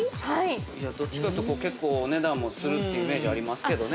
◆どっちかというと、結構お値段もするというイメージありますけどね。